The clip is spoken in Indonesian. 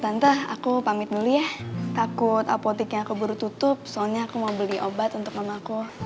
tante aku pamit dulu ya takut apotiknya aku buru tutup soalnya aku mau beli obat untuk mamaku